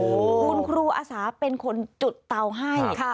คุณครูอาสาเป็นคนจุดเตาให้